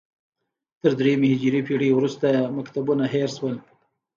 تر درېیمې هجري پېړۍ وروسته مکتبونه هېر شول